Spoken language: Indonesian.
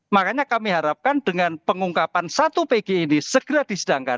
makanya kami harapkan dengan pengungkapan satu pg ini segera disidangkan